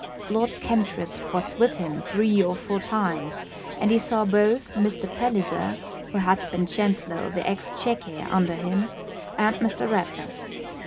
Lord Cantrip was with him three or four times, and he saw both Mr. Palliser, who had been Chancellor of the Exchequer under him, and Mr. Ratler.